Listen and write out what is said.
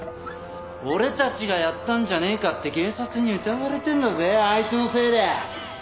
俺たちがやったんじゃねえかって警察に疑われてんだぜあいつのせいで！